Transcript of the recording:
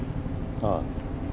ああ。